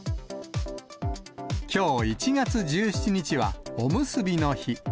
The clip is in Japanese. きょう１月１７日は、おむすびの日。